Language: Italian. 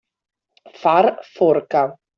Far forca.